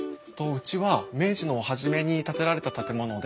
うちは明治の初めに建てられた建物で。